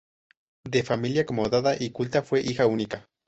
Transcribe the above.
De familia acomodada y culta, fue hija única.